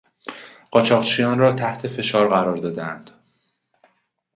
قاچاقچیان را تحت فشار قرار دادهاند.